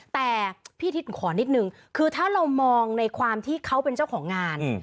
แต่พี่ทิศขอนิดนึงคือถ้าเรามองในความที่เขาเป็นเจ้าของงาน